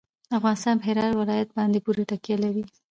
افغانستان په هرات ولایت باندې پوره تکیه لري.